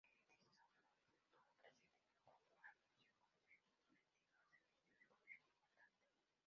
Edison no estuvo presente; y dejó un anuncio "comprometido al servicio de gobierno importante".